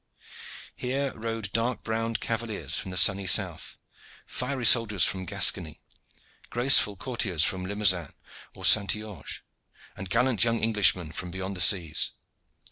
Here rode dark browed cavaliers from the sunny south, fiery soldiers from Gascony, graceful courtiers of Limousin or Saintonge, and gallant young Englishmen from beyond the seas.